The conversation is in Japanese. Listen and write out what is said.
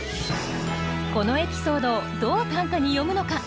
このエピソードをどう短歌に詠むのか。